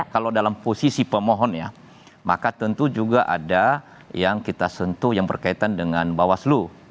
kalau dalam posisi pemohon ya maka tentu juga ada yang kita sentuh yang berkaitan dengan bawaslu